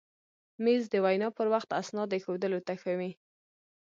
مېز د وینا پر وخت اسنادو ایښودلو ته ښه وي.